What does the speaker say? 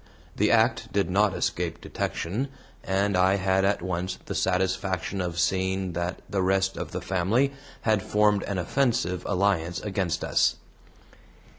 The act did not escape detection, and I had at once the satisfaction of seeing that the rest of the family had formed an offensive alliance against us.